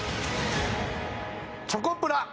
チョコプラ。